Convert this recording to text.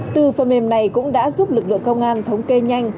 từ phần mềm này cũng đã giúp lực lượng công an thống kê nhanh